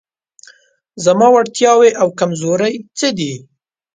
زما وړتیاوې او کمزورۍ څه دي؟